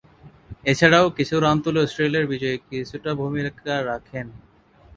এছাড়াও, কিছু রান তুলে অস্ট্রেলিয়ার বিজয়ে কিছুটা ভূমিকা রাখেন।